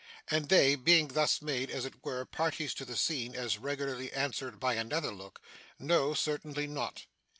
and they, being thus made, as it were, parties to the scene, as regularly answered by another look, 'No. Certainly not.